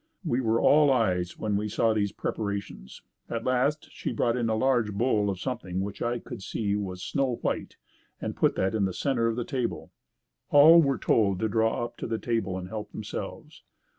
We were all eyes when we saw these preparations. Last, she brought in a large bowl of something which I could see was snow white and put that in the center of the table. All were then told to draw up to the table and help themselves.